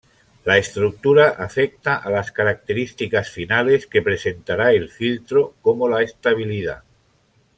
La estructura afecta a las características finales que presentará el filtro como la estabilidad.